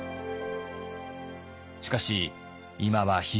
しかし今は非常事態。